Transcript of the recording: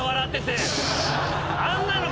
あんなの。